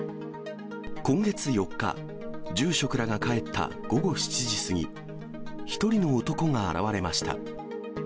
今月４日、住職らが帰った午後７時過ぎ、１人の男が現れました。